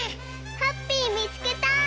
ハッピーみつけた！